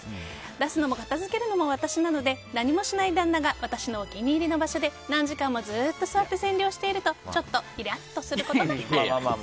出すのも片づけるのも私なので何もしない旦那が私のお気に入りの場所で何時間もずっと座って占領しているとちょっとイラッとすることがあります。